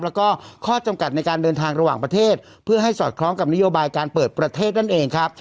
แล้วก็ข้อจำกัดในการเดินทางระหว่างประเทศเพื่อให้สอดคล้องกับนโยบายการเปิดประเทศนั่นเองครับ